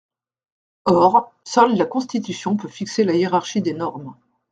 Or, seule la Constitution peut fixer la hiérarchie des normes.